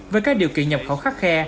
với các điều kiện nhập khẩu khắc khe